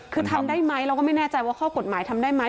คือทำได้ไหมเราก็ไม่แน่ใจว่าข้อกฎหมายทำได้ไหม